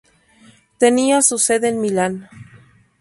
Tenía su sede en Milán.